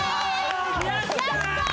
やったー！